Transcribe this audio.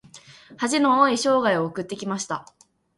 恥の多い生涯を送ってきました。